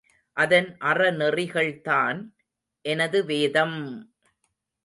அதன் அறநெறிகள்தான் எனது வேதம்!